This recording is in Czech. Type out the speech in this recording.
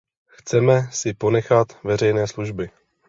Chceme si ponechat veřejné služby.